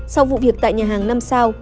sau vụ việc tại nhà hàng năm sao